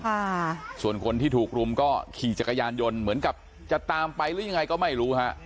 ค่ะส่วนคนที่ถูกรุมก็ขี่จักรยานยนต์เหมือนกับจะตามไปหรือยังไงก็ไม่รู้ฮะ